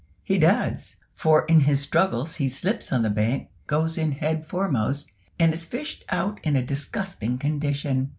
He does; for in his struggles he slips on the bank, goes in head foremost, and is fished out in a disgusting condition!